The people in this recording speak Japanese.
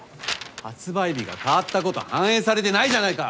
発売日が変わったこと反映されてないじゃないか！